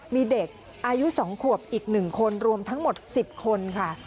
มีเด็กอายุ๒ขวบอีก๑คนรวมทั้งหมด๑๐คนค่ะ